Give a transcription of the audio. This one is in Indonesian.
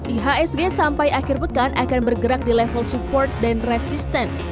ihsg sampai akhir pekan akan bergerak di level support dan resistance